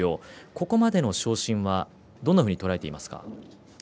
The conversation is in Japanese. ここまでの昇進はどんなふうに捉えていますか。